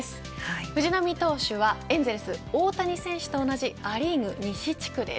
藤浪投手はエンゼルス、大谷選手と同じア・リーグ西地区です。